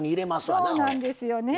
そうなんですよね。